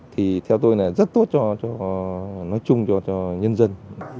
thì theo tôi là rất tốt cho nói chung cho nhân dân